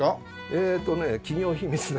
えっとね企業秘密なんで。